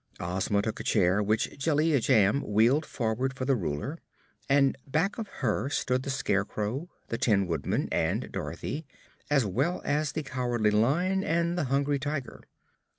Ozma took a chair which Jellia Jamb wheeled forward for the Ruler, and back of her stood the Scarecrow, the Tin Woodman and Dorothy, as well as the Cowardly Lion and the Hungry Tiger.